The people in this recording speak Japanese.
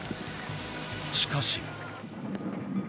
しかし。